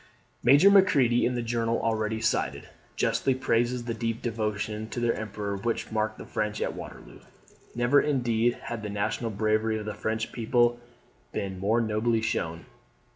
Major Macready, in the journal already cited, [See SUPRA. p. 368.] justly praises the deep devotion to their Emperor which, marked the French at Waterloo. Never, indeed, had the national bravery of the French people been more nobly shown.